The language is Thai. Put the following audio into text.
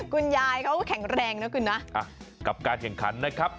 กุญญายเขาก็แข็งแรงเนอะกูนะอ่ะกับการแข็งไขมันนะครับ